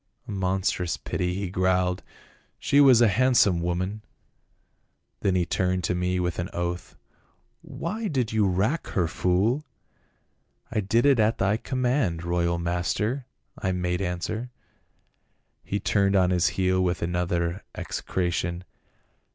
'A monstrous pity,' he grunted. ' She was a handsome woman.' Then he turned to me with an oath, ' Why did you rack her, fool ?'' I did it at thy command, royal master,' I made answer. He turned on his heel with another execration.